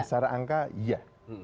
secara angka iya